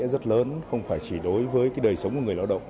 rất lớn không phải chỉ đối với cái đời sống của người lao động